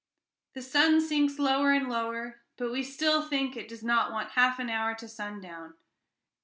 The sun sinks lower and lower, but we still think it does not want half an hour to sundown.